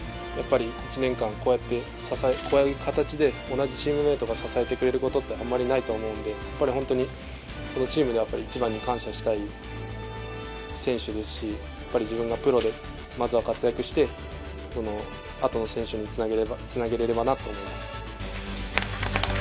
１年間、こういう形で同じチームメートが支えてくれるってあまりないと思うんで、このチームで一番に感謝したい選手ですし、自分がプロでまずは活躍して、あとの選手につなげられればなと思います。